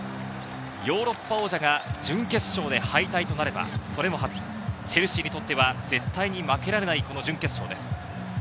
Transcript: ヨーロッパ王者が準決勝で敗退となれば、それも初、チェルシーにとっては絶対に負けられないこの準決勝です。